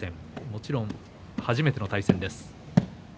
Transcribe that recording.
もちろん初めての対戦です。